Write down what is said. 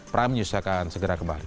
prime news akan segera kembali